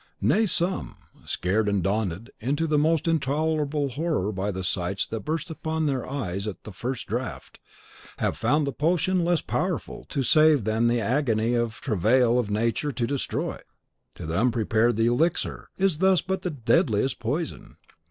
Nay, some, scared and daunted into the most intolerable horror by the sights that burst upon their eyes at the first draft, have found the potion less powerful to save than the agony and travail of Nature to destroy. To the unprepared the elixir is thus but the deadliest poison.